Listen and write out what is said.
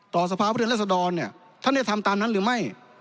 ต่อสภาพบริเวณรัฐสดรเนี่ยท่านจะทำตามนั้นหรือไม่